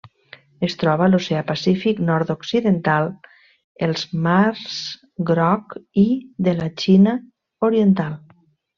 Es troba a l'Oceà Pacífic nord-occidental: els mars Groc i de la Xina Oriental.